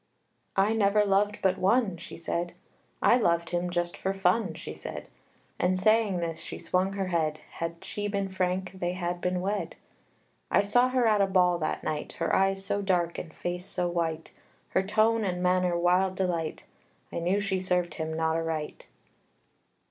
I. "I never loved but one," she said; "I loved him just for fun," she said; And, saying this, she swung her head Had she been frank, they had been wed. I saw her at a ball that night, Her eyes so dark and face so white, Her tone and manner wild delight; I knew she served him not aright.